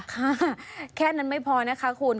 ค่ะแค่นั้นไม่พอนะคะคุณ